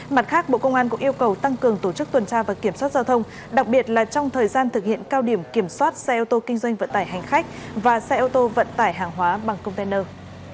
mặt khác bộ công an cũng yêu cầu tăng cường tổ chức tuần tra và kiểm soát giao thông đặc biệt là trong thời gian thực hiện cao điểm kiểm soát xe ô tô kinh doanh vận tải hành khách và xe ô tô vận tải hàng hóa bằng container